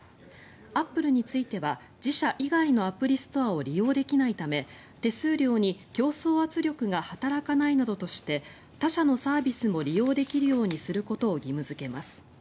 アップルについては自社以外のアプリストアを利用できないため手数料に競争圧力が働かないなどとして他社のサービスも利用できるようにすることを義務付けます。